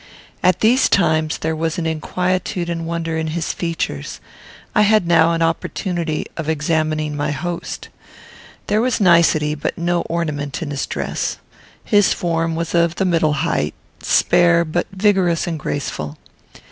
At these times there was inquietude and wonder in his features. I had now an opportunity of examining my host. There was nicety but no ornament in his dress. His form was of the middle height, spare, but vigorous and graceful.